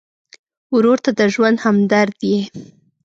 ورور ته د ژوند همدرد یې.